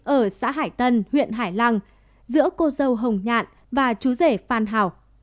ở xã hải tân huyện hải lăng giữa cô dâu hồng nhạn và chú rể phan hảo